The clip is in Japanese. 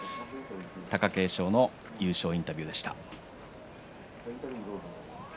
貴景勝関の優勝インタビューでした。